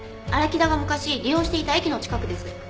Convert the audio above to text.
荒木田が昔利用していた駅の近くです。